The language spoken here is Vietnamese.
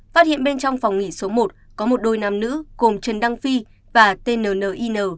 phát hiện bên trong phòng nghỉ số một có một đôi nam nữ cùng trần đăng phi và tên nờ nờ y nờ